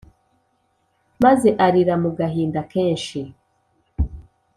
maze arira mugahinda kenshi